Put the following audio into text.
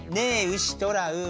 うしとらう